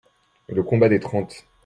le Combat des Trente.